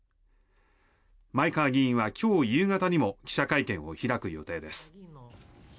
前川議員は今日夕方にも記者会見を開く予定です。